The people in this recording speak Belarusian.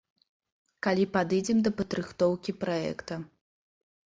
Калі падыдзем да падрыхтоўкі праекта.